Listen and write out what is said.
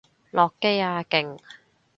落機啊！勁！